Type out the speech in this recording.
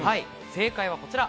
正解はこちら。